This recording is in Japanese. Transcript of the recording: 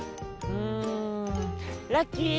うんラッキー！